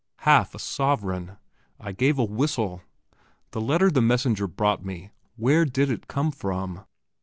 Half a sovereign! I gave a whistle. The letter the messenger brought me, where did it come from?